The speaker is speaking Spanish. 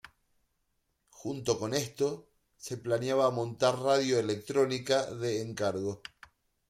Junto con esto, se planeaba montar radio electrónica "de encargo".